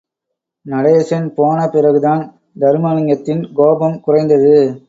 நடேசன் போன பிறகுதான் தருமலிங்கத்தின் கோபம் குறைந்தது.